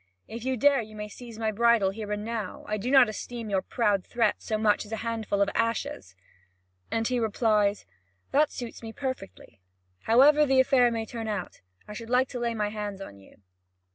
If you dare, you may seize my bridle here and now. I do not esteem your proud threats so much as a handful of ashes." And he replies: "That suits me perfectly. However the affair may turn out, I should like to lay my hands on you."